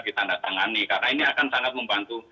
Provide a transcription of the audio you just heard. ditandatangani karena ini akan sangat membantu